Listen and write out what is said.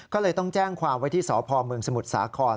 ก็เลยต้องแจ้งความไว้ที่สพเมืองสมุทรสาคร